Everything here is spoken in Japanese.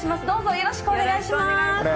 よろしくお願いします。